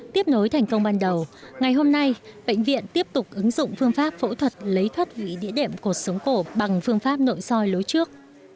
tiếp nối thành công ban đầu ngày hôm nay bệnh viện tiếp tục ứng dụng phương pháp phẫu thuật lấy thoát vị địa đệm cột sống cổ bằng phương pháp nội soi lối trước